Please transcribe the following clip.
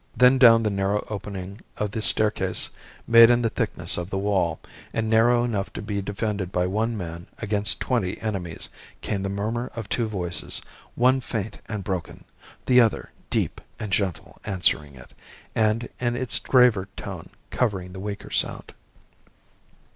Then down the narrow opening of the staircase made in the thickness of the wall, and narrow enough to be defended by one man against twenty enemies, came the murmur of two voices, one faint and broken, the other deep and gentle answering it, and in its graver tone covering the weaker sound.